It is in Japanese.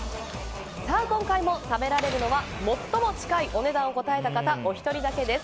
今回も食べられるのは最も近いお値段を答えた方お一人だけです。